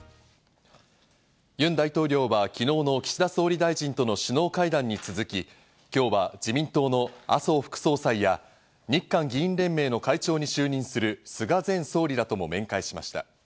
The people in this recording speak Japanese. ユン大統領は昨日の岸田総理大臣との首脳会談に続き、今日は自民党の麻生副総裁や、日韓議員連盟の会長に就任する菅前総理らとも面会しました。